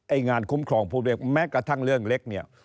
ไอ้งานคุ้มครองพวกได้แม้กระทั่งเรื่องเล็กเนี่ย